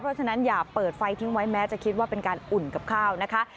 เพราะฉะนั้นอย่าเปิดไฟทิ้งไว้แม้จะคิดว่าเป็นการอุ่นกับข้าวนะคะ